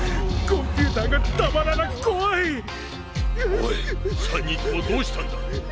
おい３人ともどうしたんだ！？